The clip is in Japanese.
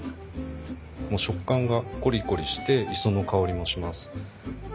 もう食感がコリコリして磯の香りもします。